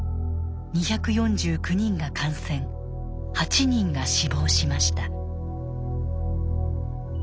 ２４９人が感染８人が死亡しました。